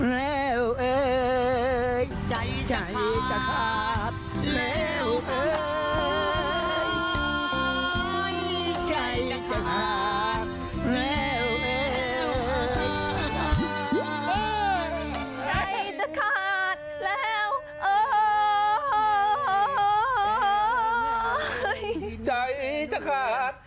แล้วเอ๊ยใจจะขาด